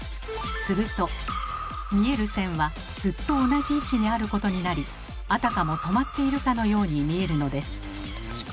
すると見える線はずっと同じ位置にあることになりあたかも止まっているかのように見えるのです。